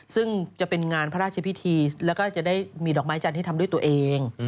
ซึ่งจะเป็นงานพระราชพิธีแล้วก็จะได้มีดอกไม้จันทร์ที่ทำด้วยตัวเอง